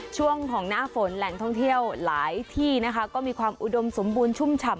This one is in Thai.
ช่วงของหน้าฝนแหล่งท่องเที่ยวหลายที่นะคะก็มีความอุดมสมบูรณชุ่มฉ่ำ